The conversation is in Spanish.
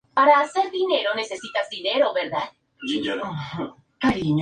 Todos tienen en común la presencia de tarsos subdivididos, de donde deriva su nombre.